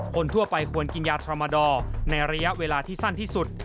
คนทั่วไปควรกินยาธรรมดอร์ในระยะเวลาที่สั้นที่สุด